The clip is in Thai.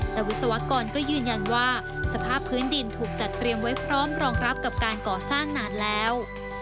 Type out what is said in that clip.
แต่วิศวกรก็ยืนยันว่าสภาพพื้นดินถูกจัดเตรียมไว้พร้อมรองรับกับการก่อสร้างนานแล้ว